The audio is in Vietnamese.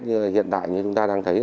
phục vụ tết hiện đại như chúng ta đang thấy